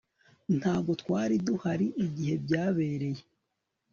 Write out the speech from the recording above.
ntabwo twari duhari igihe byabereye